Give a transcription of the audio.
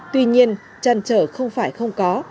tuy nhiên tràn trở không phải không có